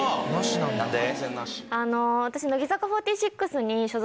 何で？